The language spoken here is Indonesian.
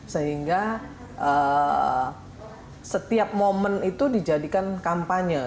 sehingga setiap momen itu dijadikan kampanye